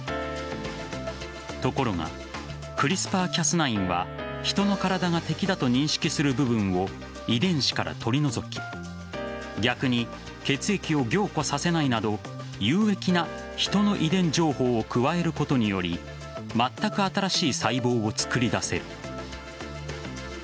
ところがクリスパー・キャス９はヒトの体が敵だと認識する部分を遺伝子から取り除き逆に、血液を凝固させないなど有益なヒトの遺伝情報を加えることによりまったく新しい細胞を作り出せる。